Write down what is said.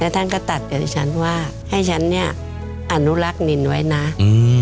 ท่านก็ตัดกับดิฉันว่าให้ฉันเนี้ยอนุรักษ์นินไว้นะอืม